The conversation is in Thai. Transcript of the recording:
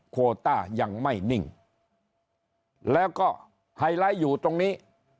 โคต้ายังไม่นิ่งแล้วก็ไฮไลท์อยู่ตรงนี้